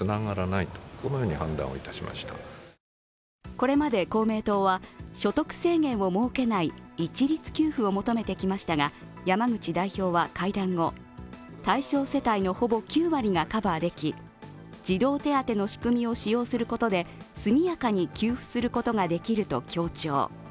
これまで公明党は所得制限を設けない一律給付を求めてきましたが、山口代表は会談後、対象世帯のほぼ９割がカバーでき児童手当の仕組みを使用することで速やかに給付することができると強調。